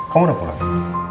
kamu nunggu lagi